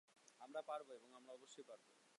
আমরা পারবো, এবং আমরা অবশ্যই পারবো।